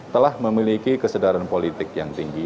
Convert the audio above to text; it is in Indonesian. telah memiliki kesedaran politik yang tinggi